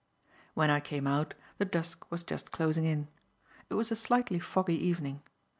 When I came out, the dusk was just closing in. It was a slightly foggy evening.